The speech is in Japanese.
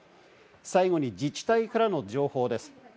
最後に自治体からの情報です。